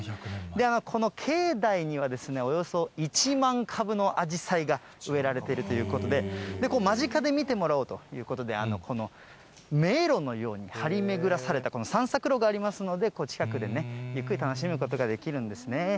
この境内には、およそ１万株のあじさいが植えられてるということで、間近で見てもらおうということで、迷路のように張り巡らされたこの散策路がありますので、近くでゆっくり楽しむことができるんですね。